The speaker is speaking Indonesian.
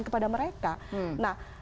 kepada mereka nah